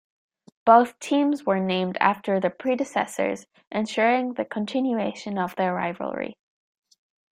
Both teams were named after their predecessors, ensuring the continuation of the rivalry.